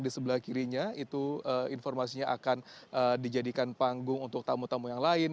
di sebelah kirinya itu informasinya akan dijadikan panggung untuk tamu tamu yang lain